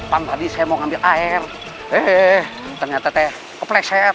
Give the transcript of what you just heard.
tadi saya mau ngambil air eh ternyata teh kepleset